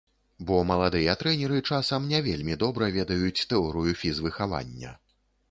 Бо маладыя трэнеры часам не вельмі добра ведаюць тэорыю фізвыхавання.